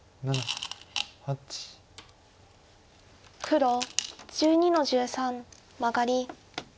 黒１２の十三マガリ。